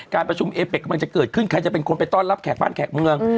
การประชุมเอเป็กกำลังจะเกิดขึ้นใครจะเป็นคนไปต้อนรับแขกบ้านแขกเมือง